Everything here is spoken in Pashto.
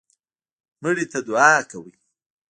مړي ته دعا کوئ